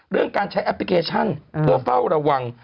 การใช้แอปพลิเคชันเพื่อเฝ้าระวัง